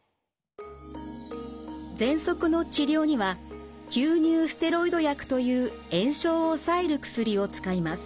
ぜんそくの治療には吸入ステロイド薬という炎症を抑える薬を使います。